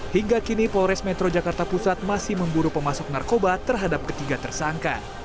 hingga kini polres metro jakarta pusat masih memburu pemasok narkoba terhadap ketiga tersangka